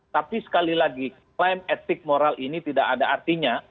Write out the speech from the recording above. tapi sekali lagi klaim etik moral ini tidak ada artinya